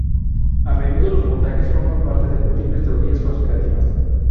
A menudo, los montajes forman parte de múltiples teorías conspirativas.